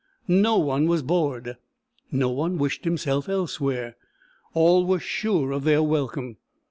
No one was bored. No one wished himself elsewhere. All were sure of their welcome.